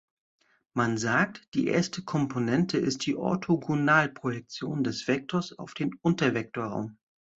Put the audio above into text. Man sagt, die erste Komponente ist die Orthogonalprojektion des Vektors auf den Untervektorraum.